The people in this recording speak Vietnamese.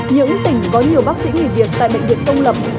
những tỉnh có nhiều bác sĩ nghỉ việc tại bệnh viện công lập